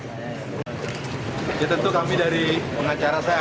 alfian mengajukan banding ke pengadilan tinggi surabaya